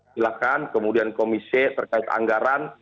silahkan kemudian komisi terkait anggaran